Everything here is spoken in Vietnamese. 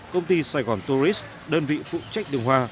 công ty sài gòn tourist đơn vị phụ trách đường hoa